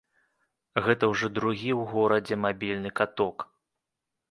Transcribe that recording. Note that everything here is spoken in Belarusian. Гэта ўжо другі ў горадзе мабільны каток.